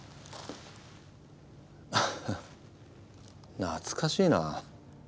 ハハ懐かしいな。